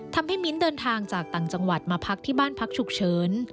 มิ้นเดินทางจากต่างจังหวัดมาพักที่บ้านพักฉุกเฉิน